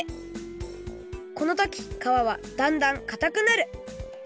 このときかわはだんだんかたくなる。